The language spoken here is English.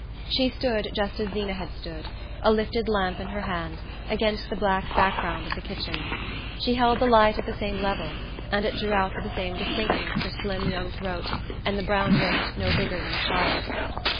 She stood just as Zeena had stood, a lifted lamp in her hand, against the black background of the kitchen. She held the light at the same level, and it drew out with the same distinctness her slim young throat and the brown wrist no bigger than a child's.